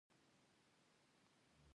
هولمز وویل چې زه باید نور انتظار وکړم.